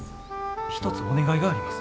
一つお願いがあります。